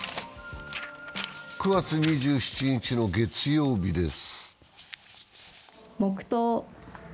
９月２７日の月曜日です。